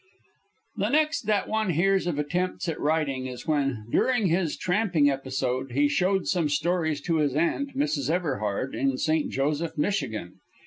The next that one hears of attempts at writing is when, during his tramping episode, he showed some stories to his aunt, Mrs. Everhard, in St. Joseph, Michigan.